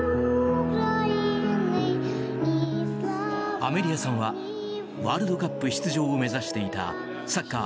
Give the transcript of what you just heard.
アメリアさんはワールドカップ出場を目指していたサッカー